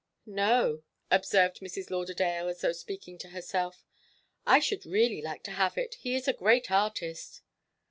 "No," observed Mrs. Lauderdale as though speaking to herself. "I should really like to have it. He is a great artist."